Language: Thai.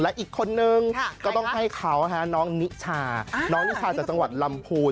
ตัวหนึ่งก็ต้องให้เขาน้องนิชาจากจังหวัดลำพูน